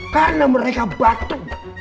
karena mereka batu